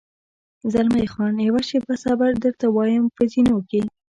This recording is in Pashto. زلمی خان: یوه شېبه صبر، درته وایم، په زینو کې.